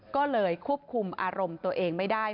ก็เลยควบคุมอารมณ์ตัวเองไม่ได้